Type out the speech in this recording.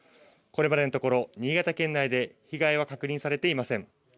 これまでのところ、新潟県内で被害は確認されていません。